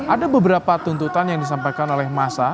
ada beberapa tuntutan yang disampaikan oleh massa